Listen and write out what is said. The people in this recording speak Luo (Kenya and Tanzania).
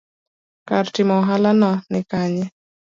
kar timo ohalano ni kanye?